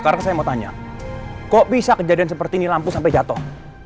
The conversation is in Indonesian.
karena saya mau tanya kok bisa kejadian seperti ini lampu sampai jatuh